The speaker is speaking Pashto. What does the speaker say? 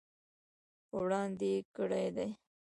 په وړاندې یې کړي دي.